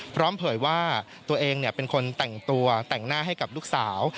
เผยว่าตัวเองเป็นคนแต่งตัวแต่งหน้าให้กับลูกสาว